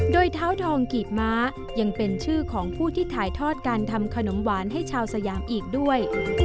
โดยเท้าทองกีบม้ายังเป็นชื่อของผู้ที่ถ่ายทอดการทำขนมหวานให้ชาวสยามอีกด้วย